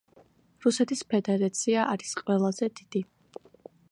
რუსეთის ფედერაცია არის ყველაზე დიდი.